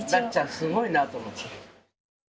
すごいなと思って。